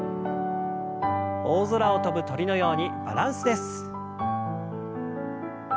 大空を飛ぶ鳥のようにバランスです。